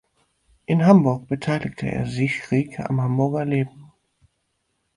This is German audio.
In Hamburg beteiligte er sich rege am Hamburger Leben.